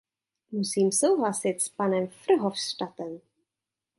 Musím souhlasit s panem Verhofstadtem.